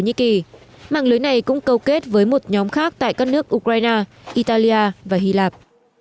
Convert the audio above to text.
nhĩ kỳ mạng lưới này cũng câu kết với một nhóm khác tại các nước ukraine italia và hy lạp